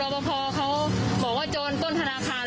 พอพอเขาบอกว่าโจรต้นธนาคาร